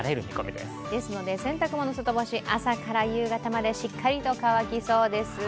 ですので洗濯物の外干し、朝から夕方までしっかりと乾きそうです。